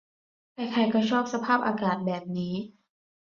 ใครใครก็ชอบสภาพอากาศแบบนี้